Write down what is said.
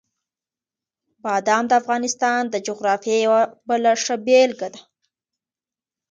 بادام د افغانستان د جغرافیې یوه بله ښه بېلګه ده.